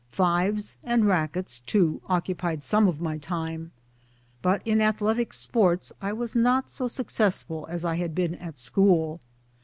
Fives and rackets too occupied some of my time ; but in athletic sports I was not so successful as I had been at school.